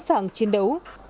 sẵn sàng chiến đấu